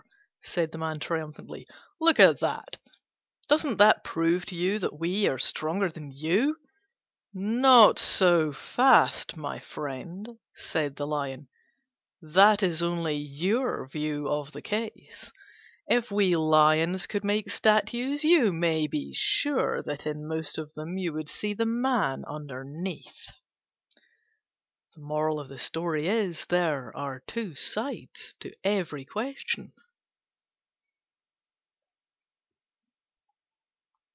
said the Man triumphantly, "look at that! Doesn't that prove to you that we are stronger than you?" "Not so fast, my friend," said the Lion: "that is only your view of the case. If we Lions could make statues, you may be sure that in most of them you would see the Man underneath." There are two sides to every question.